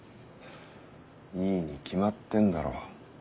いいに決まってんだろ。